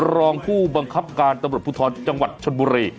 รองผู้บังคับการตำรวจภูทรจังหวัดชนบุรี